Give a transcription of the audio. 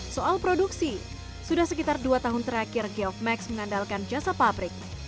soal produksi sudah sekitar dua tahun terakhir geof max mengandalkan jasa pabrik